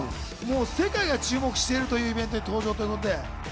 世界が注目してるイベントに登場ということで。